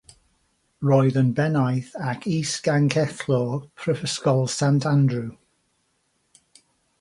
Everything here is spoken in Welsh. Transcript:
Roedd yn Bennaeth ac Is-Ganghellor Prifysgol Sant Andrew.